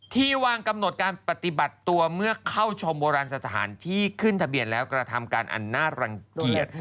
ที่วางกำหนดการปฏิบัติตัวเมื่อเข้าชมโบราณสถานที่ขึ้นทะเบียนแล้วกระทำการอันน่ารังเกียจ